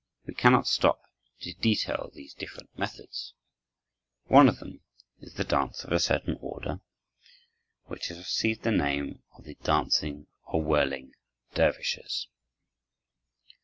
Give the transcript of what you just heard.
We cannot stop to detail these different methods. One of them is the dance of a certain order which has received the name of the "dancing or whirling dervishes."